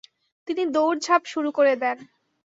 তিনি দৌড়ঝাঁপ শুরু করে দেন।